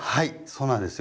そうなんですよ。